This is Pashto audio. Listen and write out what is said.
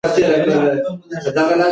نظم ساتل د کورنۍ د پلار یوه مسؤلیت ده.